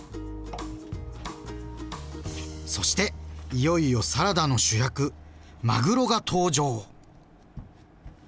そしていよいよサラダの主役まぐろが登場！